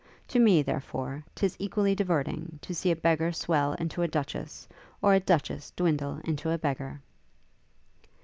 To me, therefore, 'tis equally diverting, to see a beggar swell into a duchess, or a duchess dwindle into a beggar.'